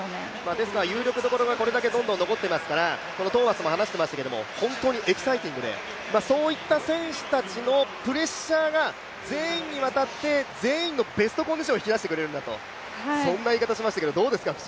ですから有力どころがこれだけどんどん残ってますからこのトーマスも話していましたが本当にエキサイティングで、そういった選手たちのプレッシャーが全員にわたって全員のベストコンディションを引き出してくれるんだとそんな言い方をしていましたが、どうですか。